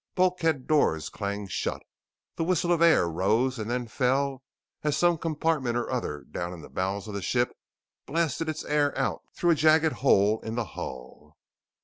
Bulkhead doors clanged shut, the whistle of air rose and then fell as some compartment or other down in the bowels of the ship blasted its air out through a jagged hole in the hull.